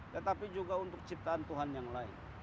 tetapi juga untuk ciptaan tuhan yang lain